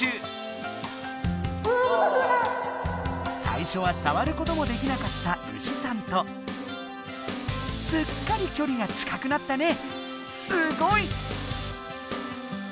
さいしょはさわることもできなかった牛さんとすっかりきょりが近くなったね！